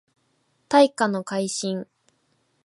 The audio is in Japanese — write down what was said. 大化の改新